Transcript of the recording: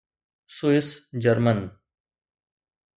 Swiss German